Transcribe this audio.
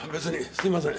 すいません。